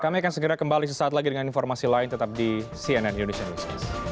kami akan segera kembali sesaat lagi dengan informasi lain tetap di cnn indonesia news